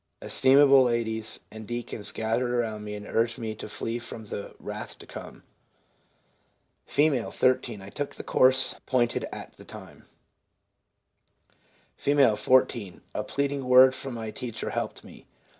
Estimable ladies and deacons gathered around me and urged me to flee from the wrath to come/ F., 13. ' I took the course pointed out at the time/ R, 14. ' A pleading word from my teacher helped me.'